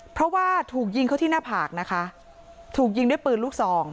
เพราะว่าถูกยิงเขาที่หน้าผากนะคะถูกยิงด้วยปืนลูกซอง